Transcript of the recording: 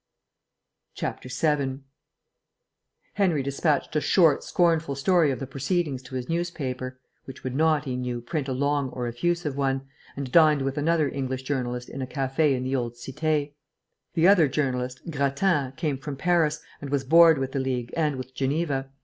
7 Henry despatched a short scornful story of the proceedings to his newspaper (which would not, he knew, print a long or effusive one), and dined with another English journalist in a café in the old cité. The other journalist, Grattan, came from Paris, and was bored with the League and with Geneva.